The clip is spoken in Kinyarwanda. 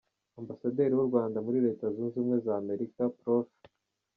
Ambasaderi w’ u Rwanda muri Leta Zunze Ubumwe za Amerika, Prof.